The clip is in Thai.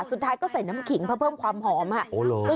สุดท้ายก็ใส่น้ำขิงเพื่อเพิ่มความหอมอ่ะ